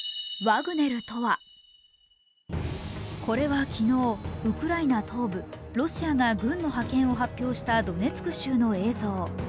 これは昨日、ウクライナ東部ロシアが軍の派遣を発表したドネツク州の映像。